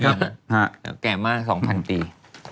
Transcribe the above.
เก่าแก่มาก๒๐๐๐ปี